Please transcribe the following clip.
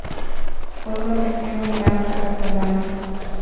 Fue consejero en Banca Catalana.